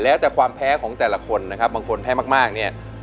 แล้วแต่ความแพ้ของแต่ละคนนะครับบางคนแพ้มากเนี่ย